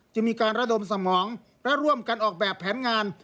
จะมีการระดมสมองและร่วมกันออกแบบแผนงาน